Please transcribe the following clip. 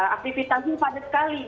aktivitasnya padat sekali